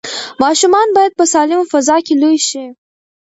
ماشومان باید په سالمه فضا کې لوی شي.